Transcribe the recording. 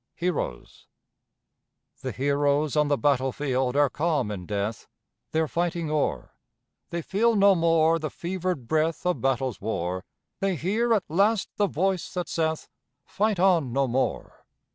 HEROES. The heroes on the battlefield are calm in death, Their fighting o'er; They feel no more the fevered breath Of battle's war; They hear at last the voice that saith "Fight on no more."